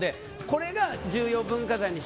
これが、重要文化財なので